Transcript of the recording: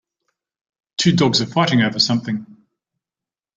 Two dogs are fighting over something.